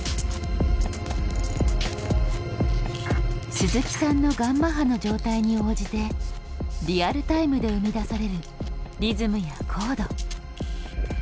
鈴木さんのガンマ波の状態に応じてリアルタイムで生み出されるリズムやコード。